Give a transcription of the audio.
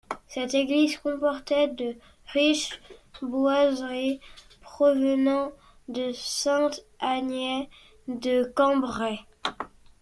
Cette église comportait de riches boiseries provenant de Sainte-Agnès de Cambrai.